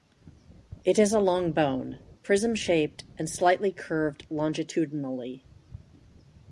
It is a long bone, prism-shaped and slightly curved longitudinally.